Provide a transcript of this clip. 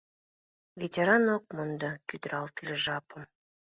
Ветеран ок мондо кӱдыратле жапым.